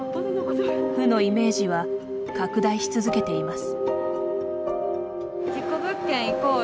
負のイメージは拡大し続けています。